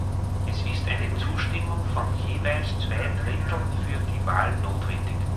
Es ist eine Zustimmung von jeweils zwei Dritteln für die Wahl notwendig.